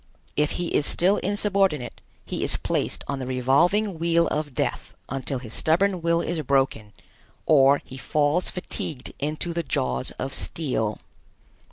If he is still insubordinate, he is placed on the revolving wheel of death until his stubborn will is broken, or he falls fatigued into the jaws of steel.